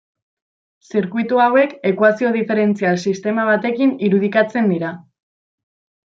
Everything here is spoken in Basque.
Zirkuitu hauek ekuazio diferentzial sistema batekin irudikatzen dira.